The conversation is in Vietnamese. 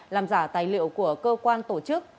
làm giả tài liệu của cơ quan tổ chức